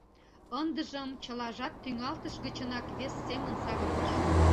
Ындыжым чылажат тӱҥалтыш гычынак вес семын савырныш.